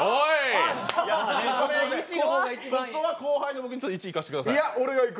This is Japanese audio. ここは後輩の僕に１いかせてくださいよ。